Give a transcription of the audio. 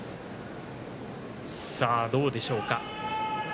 どうでしょうか。